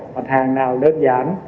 mặt hàng nào đơn giản